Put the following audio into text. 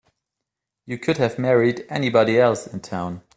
You could have married anybody else in town.